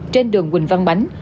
trên đường quỳnh văn bánh